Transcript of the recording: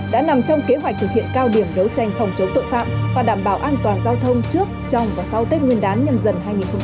đã nằm trong kế hoạch thực hiện cao điểm đấu tranh phòng chống tội phạm và đảm bảo an toàn giao thông trước trong và sau tết nguyên đán nhâm dần hai nghìn hai mươi bốn